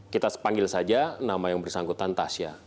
kita panggil saja nama yang bersangkutan tasya